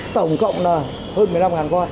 tổng cộng là hơn một mươi năm con